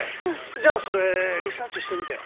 じゃあそれリサーチしてみてよ。